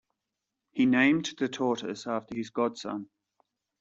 He named the tortoise after his godson.